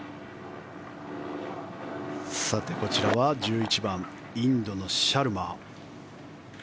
さて、こちらは１１番、インドのシャルマ。